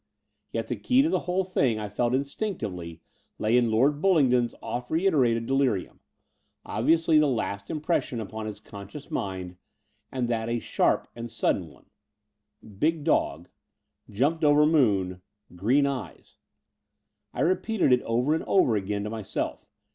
Yet the key to the whole thing I felt instinctively lay in Lord Bullingdon^s oft reiterated delirium — obviously the last impres sion upon his conscious mind, and tiiat a sharp and sudden one — *Big dog ... jtmiped over moon ... green eyes.' I repeated it over and over again to myself.